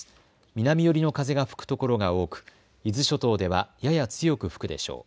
南寄りの風が吹く所が多く、伊豆諸島ではやや強く吹くでしょう。